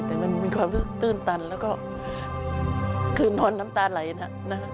แต่มันมีความตื้นตันแล้วก็คือนอนน้ำตาไหลนะ